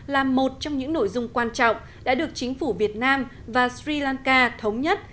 là một trong những nội dung quan trọng đã được chính phủ việt nam và sri lanka thống nhất